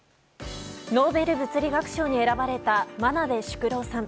ノーベル物理学賞に選ばれた真鍋淑郎さん。